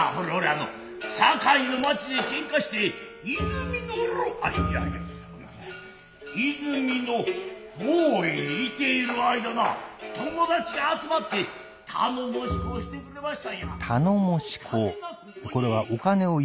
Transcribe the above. あの堺の町で喧嘩して和泉の牢あっいやいや和泉の方へ行てゐる間な友達が集まって頼母子講してくれましたんや。